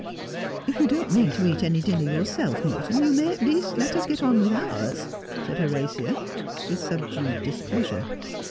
' If you don't mean to eat any dinner yourself, Morton, you may at least let us go on with ours,' said Horatia, with subdued displeasure.